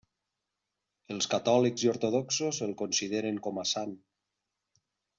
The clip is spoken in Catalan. Els catòlics i ortodoxos el consideren com a sant.